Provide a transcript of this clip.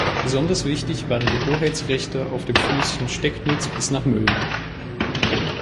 Besonders wichtig waren die Hoheitsrechte auf dem Flüsschen Stecknitz bis nach Mölln.